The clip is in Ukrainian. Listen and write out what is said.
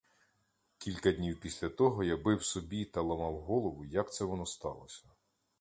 Кілька днів після того я бив собі та ламав голову, як це воно сталося.